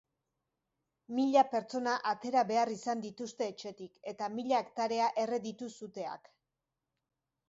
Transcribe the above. Mila pertsona atera behar izan dituzte etxetik eta mila hektarea erre ditu suteak.